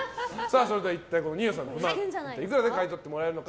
それでは二葉さんの不満いくらで買い取ってもらえるのか。